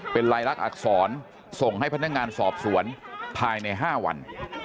เป็นลายลักษณอักษรส่งให้พนักงานสอบสวนภายใน๕วัน